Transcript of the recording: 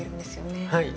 はい。